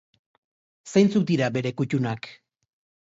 Zeintzuk dira bere kuttunak?